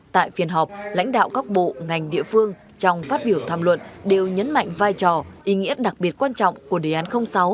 tại phiên họp lãnh đạo các bộ ngành địa phương trong phát biểu tham luận đều nhấn mạnh vai trò ý nghĩa đặc biệt quan trọng của đề án sáu